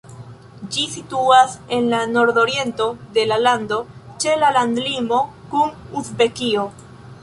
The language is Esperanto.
Ĝi situas en la nordoriento de la lando, ĉe la landlimo kun Uzbekio.